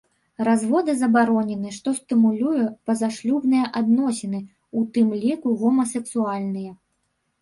Разводы забаронены, што стымулюе пазашлюбныя адносіны, у тым ліку гомасексуальныя.